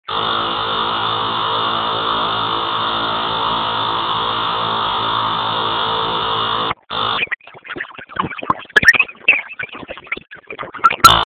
هلک په آرامه وويل غوسه مه کوه.